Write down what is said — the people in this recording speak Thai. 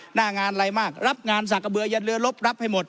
หน้างานอะไรมากรับงานสากะเบือยันเรือลบรับให้หมด